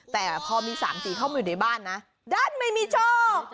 แต่พอมี๓สีเข้ามาอยู่ในบ้านนะดันไม่มีโชค